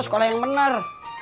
sekolah yang bener